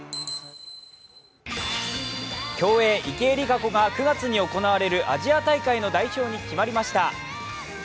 競泳・池江璃花子が９月に行われるアジア大会の代表に決まりました。